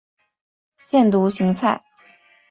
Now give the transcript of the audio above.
腺独行菜